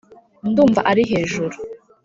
ndumva ari 'hejuru